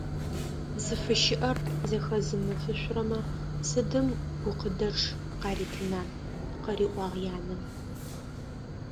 «Зыфыщыӏэр зэхэзымыфышъурэмэ сыдым гукъыдэчъ къаритына?»,- къыриӏуагъ янэ.